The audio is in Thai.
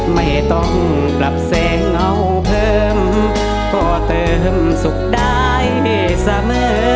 ไม่ต้องปรับแสงเงาเพิ่มก็เติมสุขได้เสมอ